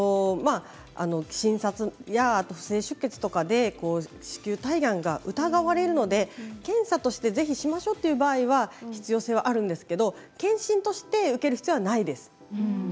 診察や不正出血とかで子宮体がんが疑われるので検査としてぜひしましょうという場合は必要性はあるんですけれど検診として受ける必要はないです。